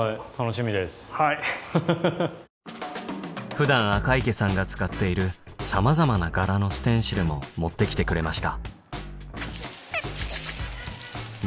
普段赤池さんが使っているさまざまな柄のステンシルも持って来てくれました